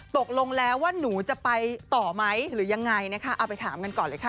ตกลงแล้วว่าหนูจะไปต่อไหมหรือยังไงนะคะเอาไปถามกันก่อนเลยค่ะ